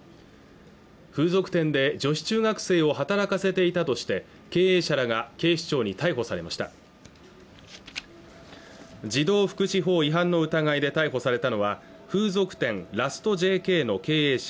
風俗店で女子中学生を働かせていたとして経営者らが警視庁に逮捕されました児童福祉法違反の疑いで逮捕されたのは風俗店ラストＪＫの経営者